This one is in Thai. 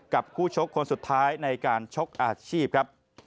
กับคู่ชกคนสุดท้ายในการชกอาชีพครับ